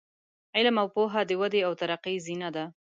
علم او پوهه د ودې او ترقۍ زینه ده.